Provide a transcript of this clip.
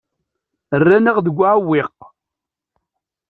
Rran-aɣ deg uɛewwiq.